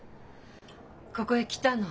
ここへ来たの？